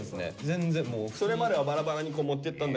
それまではバラバラに持ってったんだけど。